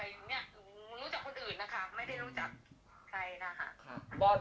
ไม่ได้รู้จักใครนะคะ